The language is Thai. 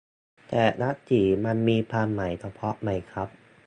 แต่ละสีมันมีความหมายเฉพาะไหมครับ